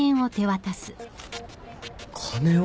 金を？